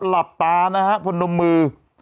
หลับตานะฮะพนมมือ